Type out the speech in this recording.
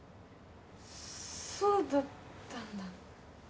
そうだったんだ。